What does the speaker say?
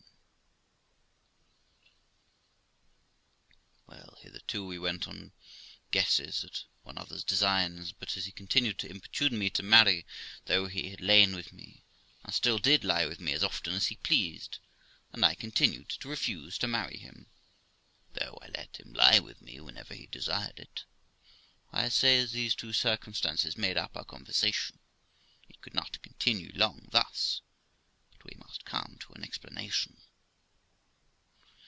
THE LIFE OF ROXANA 279 Well, hitherto we went upon guesses at one another's designs; but, as he continued to importune me to marry, though he had lain with me, and still did lie with me as often as he pleased, and I continued to refuse to marry him, though I let him lie with me whenever he desired it ; I say, as these two circumstances made up our conversation, it could not continue long thus, but we must come to an explanation.